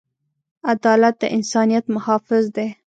عدالت د انسانیت محافظ دی.